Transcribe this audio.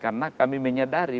karena kami menyadari